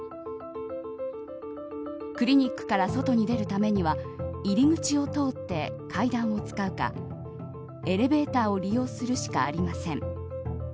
クリニックから外に出るためには入り口を通って、階段を使うかエレベーターを利用するしかありません。